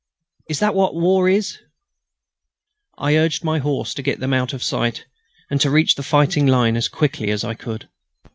Is that what war is?" I urged on my horse to get them out of my sight and to reach the fighting line as quickly as I could.